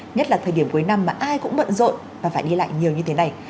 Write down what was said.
nhất là thời điểm cuối năm mà ai cũng bận rộn và phải đi lại nhiều như thế này